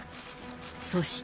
そして。